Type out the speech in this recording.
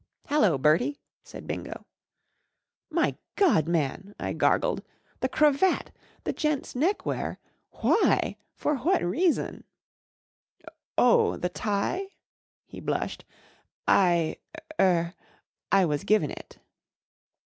" Hallo, Bertie !" said Bingo. " My God, man !" I gargled, " The cravat ! The gent's neckwear ! Why ? For what reason ?" "Oh. the tie?" He blushed. "I—er— I was given it."